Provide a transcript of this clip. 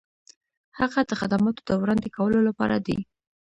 هغه د خدماتو د وړاندې کولو لپاره دی.